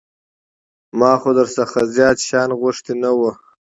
ما خو در څخه زيات شيان غوښتي نه وو.